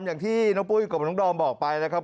อย่างที่น้องปุ้ยกับน้องดอมบอกไปนะครับ